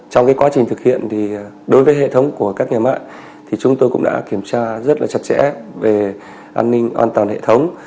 trong quá trình thực hiện thì đối với hệ thống của các nhà mạng thì chúng tôi cũng đã kiểm tra rất là chặt chẽ về an ninh an toàn hệ thống